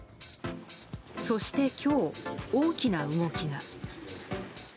そして今日、大きな動きが。